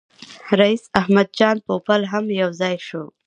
رییس احمد جان پوپل هم یو ځای شو.